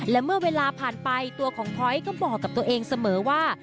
และเมื่อเวลาผ่านไปตัวของพ้อยก็บอกกับตัวเองเสมอว่า